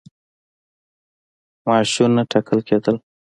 معاشونه ټاکل کېدل.